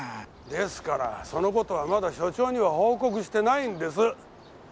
ですからその事はまだ署長には報告してないんです。